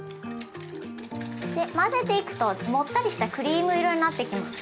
で混ぜていくともったりしたクリーム色になってきます。